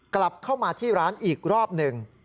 กลับเข้ามาที่ร้านอีกรอบหนึ่ง